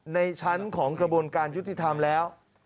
ในชั้นของกระบวนการยุติธรรมแล้ว